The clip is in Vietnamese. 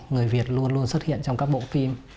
người việt luôn luôn xuất hiện trong các bộ phim